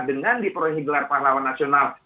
dengan diperoleh gelar pahlawan nasional